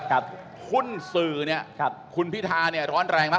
ขุนสื่อคุณพิทาต์ร้อนแรงแล้ว